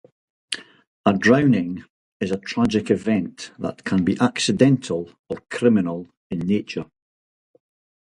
A drowning is a tragic event that can be accidental or criminal in nature.